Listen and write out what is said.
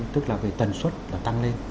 tức là về tần suất là tăng lên